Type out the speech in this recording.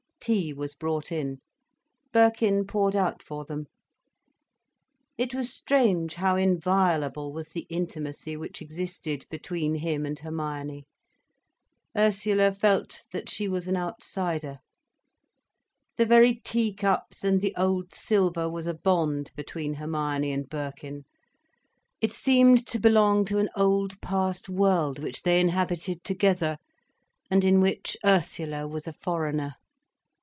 Tea was brought in. Birkin poured out for them. It was strange how inviolable was the intimacy which existed between him and Hermione. Ursula felt that she was an outsider. The very tea cups and the old silver was a bond between Hermione and Birkin. It seemed to belong to an old, past world which they had inhabited together, and in which Ursula was a foreigner.